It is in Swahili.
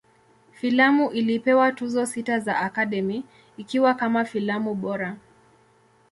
Filamu ilipewa Tuzo sita za Academy, ikiwa kama filamu bora.